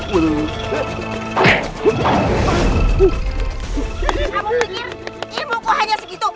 karat kamu ya karat